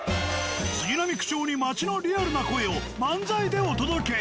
杉並区長に町のリアルな声を漫才でお届け。